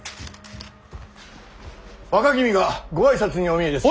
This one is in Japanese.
若君がご挨拶にお見えです。